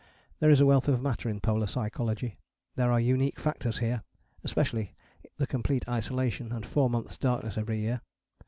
There is a wealth of matter in polar psychology: there are unique factors here, especially the complete isolation, and four months' darkness every year.